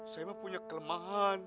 saya punya kelemahan